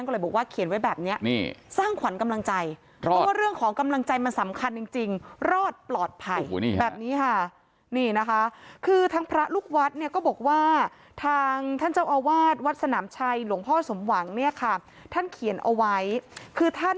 แล้วเห็นไหมคะคือน้ำมันท